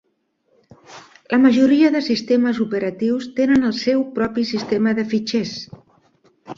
La majoria de sistemes operatius tenen el seu propi sistema de fitxers.